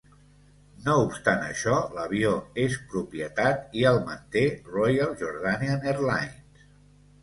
No obstant això l'avió és propietat i el manté Royal Jordanian Airlines.